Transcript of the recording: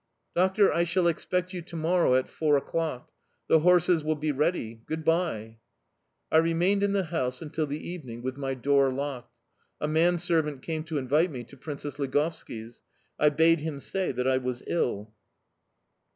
"Doctor, I shall expect you to morrow at four o'clock. The horses will be ready... Goodbye." I remained in the house until the evening, with my door locked. A manservant came to invite me to Princess Ligovski's I bade him say that I was ill.